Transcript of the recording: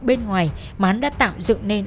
bên ngoài mà hắn đã tạo dựng nên